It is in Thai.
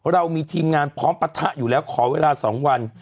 เรามีทีมงานพร้อมปะทะอยู่แล้วขอเวลา๒วัน